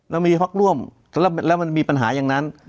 เรามีพักร่วมแล้วมันมีปัญหาอย่างนั้น